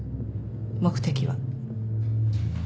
目的は？